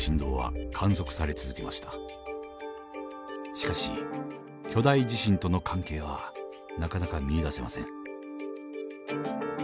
しかし巨大地震との関係はなかなか見いだせません。